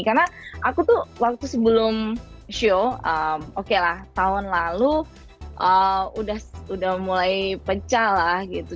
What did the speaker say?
karena aku tuh waktu sebelum show oke lah tahun lalu udah mulai pecah lah gitu